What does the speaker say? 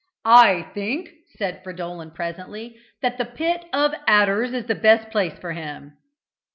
"I think," said Fridolin presently, "that the pit of adders is the best place for him."